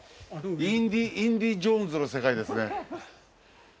『インディ・ジョーンズ』の世界ですね。